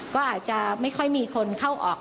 ก็อาจจะไม่ค่อยมีคนเข้าออก